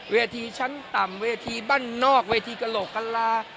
เวทีชั้นต่ำเวทีบ้านนอกเวทีกระโหลกกะลา